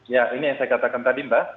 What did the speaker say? ya ini yang saya katakan tadi mbak